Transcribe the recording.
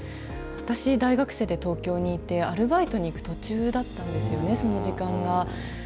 私、大学生で東京にいて、アルバイトに行く途中だったんですよね、その時間が。